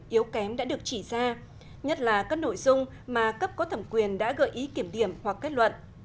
yếu kém đã được chỉ ra nhất là các nội dung mà cấp có thẩm quyền đã gợi ý kiểm điểm hoặc kết luận